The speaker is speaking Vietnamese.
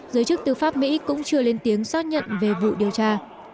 giới chức tư pháp mỹ cũng chưa lên tiếng xác nhận về vụ điều tra